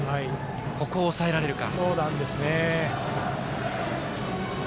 ここを抑えられるか。